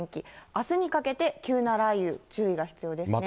あすにかけて、急な雷雨注意が必要ですね。